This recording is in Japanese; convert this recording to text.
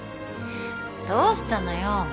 どうしたのよ